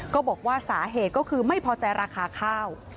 ก็บอกว่าสาเหตุก็คือไม่พอใจราคาข้าว